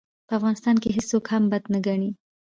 په افغانستان کې هېڅوک هم بد نه ګڼي.